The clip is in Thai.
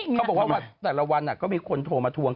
เขาบอกว่าแต่ละวันก็มีคนโทรมาทวง